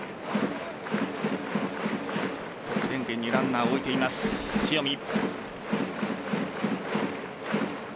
得点圏にランナーを置いています、塩見。